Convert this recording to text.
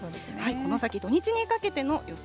この先、土日にかけての予想